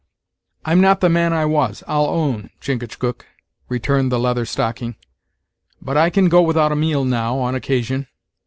"I'm not the man I was, I'll own, Chingachgook," returned the Leather Stocking; "but I can go without a meal now, on occasion.